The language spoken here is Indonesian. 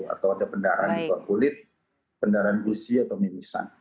atau ada pendarahan di bawah kulit pendarahan usia atau mimisan